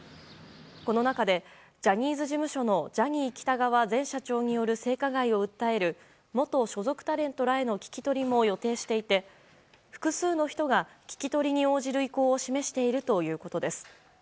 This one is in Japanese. この中で、ジャニーズ事務所のジャニー喜多川前社長による性加害を訴える元所属タレントらへの聞き取りも予定していて複数の人が聞き取りに応じる意向を示しているということです。